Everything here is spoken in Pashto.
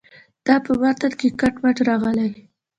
دا په متن کې کټ مټ راغلې.